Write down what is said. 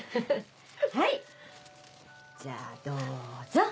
はいじゃあどうぞ。